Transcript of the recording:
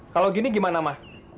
kalau gini gimana ma